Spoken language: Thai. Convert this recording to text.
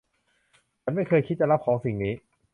ฉันไม่เคยคิดจะรับของสิ่งนี้